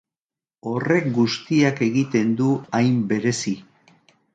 Horrek guztiak egiten du hain berezi.